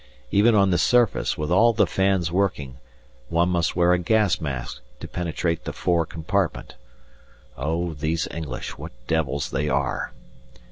Even on the surface, with all the fans working, one must wear a gas mask to penetrate the fore compartment. Oh! these English, what devils they are!